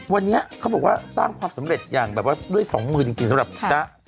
วันนี้เขาบอกว่าสร้างความสำเร็จอย่างแบบว่าด้วยสองมือจริงสำหรับจ๊ะ